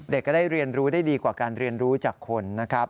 ก็ได้เรียนรู้ได้ดีกว่าการเรียนรู้จากคนนะครับ